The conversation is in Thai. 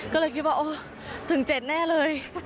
ก็เลยคิดว่าถึง๗แน่เลย